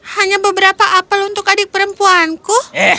hanya beberapa apel untuk adik perempuanku